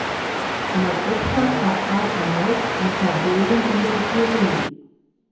Thomas Gottschalk vertrat erneut Dieter Bohlen in der Jury.